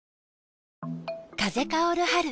風薫る春。